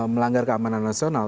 melanggar keamanan nasional